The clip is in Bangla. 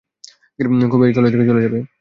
কবে এই কলেজ থেকে চলে যাবে।